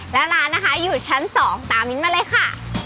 แล้วร้านนะคะอยู่ชั้น๒ตามมิ้นมาเลยค่ะ